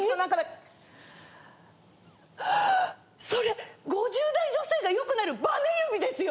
それ５０代女性がよくなるばね指ですよ！